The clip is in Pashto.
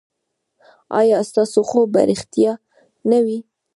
ایا ستاسو خوب به ریښتیا نه وي؟